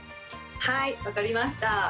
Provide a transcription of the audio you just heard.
はいわかりました！